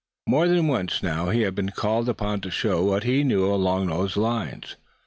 More than once now had he been called upon to show what he knew along these lines.